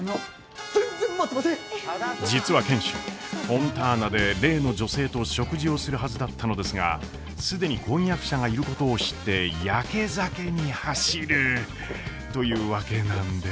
実は賢秀フォンターナで例の女性と食事をするはずだったのですが既に婚約者がいることを知ってやけ酒に走るというわけなんです。